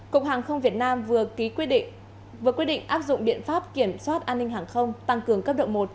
cục hàng không việt nam vừa quyết định áp dụng biện pháp kiểm soát an ninh hàng không tăng cường cấp độ một